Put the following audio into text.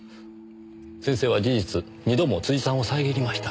先生は事実２度も辻さんを遮りました。